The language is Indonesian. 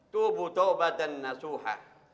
tubuh tobatan nasuhah